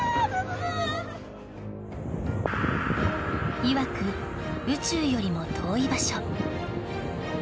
いわく、宇宙よりも遠い場所。